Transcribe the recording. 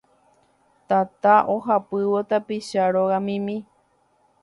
Tata ohapývo tapicha rogamimi